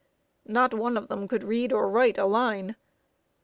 Not one of them could read or write a line.